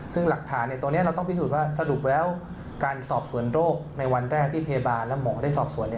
ซึ่งหลักฐานตรงนี้เราต้องพิสูจน์ว่าสรุปแล้วการสอบสวนโรคในวันแรกที่พยาบาลและหมอได้สอบสวน